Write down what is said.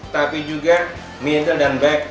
tapi juga middle dan back